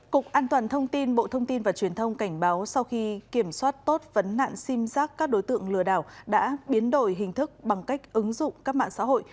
cục an toàn thông tin bộ thông tin và truyền thông cảnh báo sau khi kiểm soát tốt vấn nạn sim giác các đối tượng lừa đảo đã biến đổi hình thức bằng cách ứng dụng các mạng xã hội